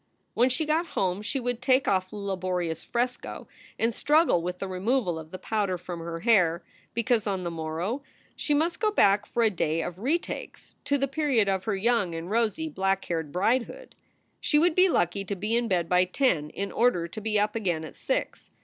When she got home she would take off the laborious fresco and struggle with the removal of the powder from her hair, because on the morrow she must go back for a day of retakes to the period of her young and rosy black haired bridehood. She would be lucky to be in bed by ten in order to be up again at six.